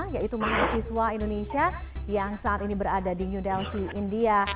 yaitu mahasiswa indonesia yang saat ini berada di new delhi india